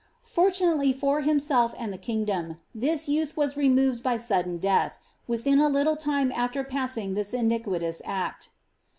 Fortunately for himself and the kinf dom, this youth was removed by sudden death, within a little time after passing this iniquitous act.